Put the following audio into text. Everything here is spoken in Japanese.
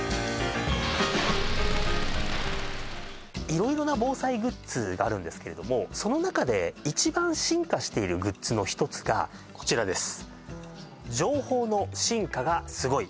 色々な防災グッズがあるんですけれどもその中で一番進化しているグッズの一つがこちらです